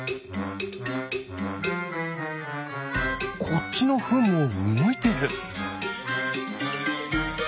こっちのフンもうごいてる。